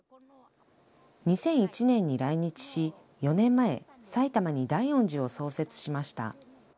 ２００１年に来日し、４年前、埼玉に大恩寺を創設しました。